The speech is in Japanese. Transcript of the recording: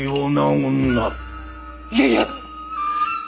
いやいや。